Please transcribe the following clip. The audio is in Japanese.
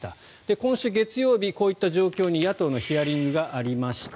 今週月曜日、こういった状況に野党のヒアリングがありました。